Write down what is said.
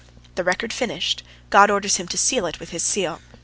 The record finished, God orders him to seal it with his seal.